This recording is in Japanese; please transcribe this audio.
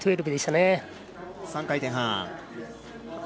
３回転半。